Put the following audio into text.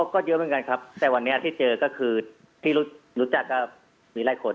ก็เยอะเหมือนกันครับแต่วันนี้ที่เจอก็คือที่รู้จักก็มีหลายคน